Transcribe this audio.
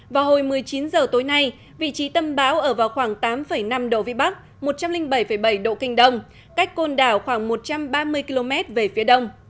vào hồi một mươi chín h tối nay vị trí tâm bão ở vào khoảng tám năm độ vn một trăm linh bảy bảy độ k cách quần đảo khoảng một trăm ba mươi km về phía đông